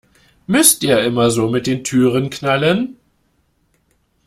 Müsst ihr immer so mit den Türen knallen?